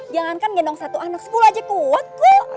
jangankan gendong satu anak sekolah aja kuat kok